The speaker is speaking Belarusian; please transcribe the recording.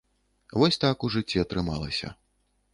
Вось так у жыцці атрымалася.